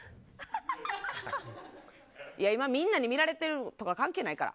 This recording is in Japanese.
いや、今みんなに見られてるとか関係ないから。